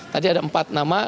tadi ada empat nama